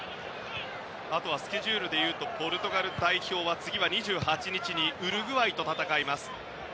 スケジュールで言うとポルトガル代表は次は２８日にウルグアイと戦います。